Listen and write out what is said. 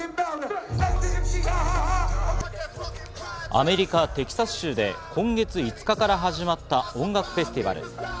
アメリカ・テキサス州で今月５日から始まった音楽フェスティバル。